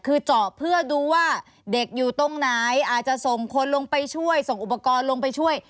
คือเจาะเพื่อดูว่าเด็กอยู่ตรงไหนอาจจะส่งคนลงไปช่วยส่งอุปกรณ์ลงไปช่วย